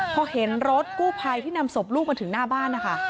พอเห็นรถกู้ภัยที่นำศพลูกมาถึงหน้าบ้านนะคะ